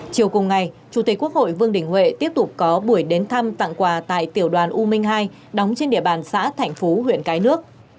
chiều cùng ngày chủ tịch quốc hội vương đình huệ tiếp tục có buổi đến thăm tặng quà tại tiểu đoàn u minh hai đóng trên địa bàn xã thạnh phú huyện cái nước